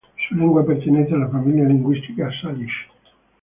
Su lengua pertenece a la familia lingüística salish.